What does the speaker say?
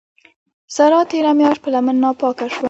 سارا تېره مياشت په لمن ناپاکه سوه.